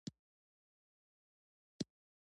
ورسته چې مې د ډولچي مظلومیت وریاداوه.